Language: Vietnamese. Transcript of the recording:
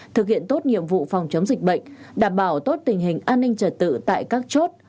thực hiện tốt nhiệm vụ phòng chống dịch bệnh đảm bảo tốt tình hình an ninh trật tự tại các chốt